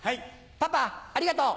パパありがとう。